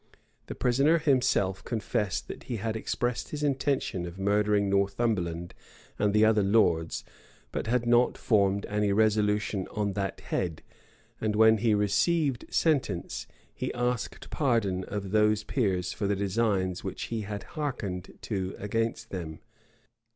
The prisoner himself confessed that he had expressed his intention of murdering Northumberland and the other lords; but had not formed any resolution on that head: and when he received sentence, he asked pardon of those peers for the designs which he had hearkened to against them.